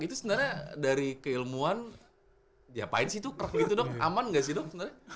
itu sebenarnya dari keilmuan diapain sih tuh krek gitu dok aman nggak sih dok sebenarnya